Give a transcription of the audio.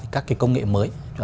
các công nghệ mới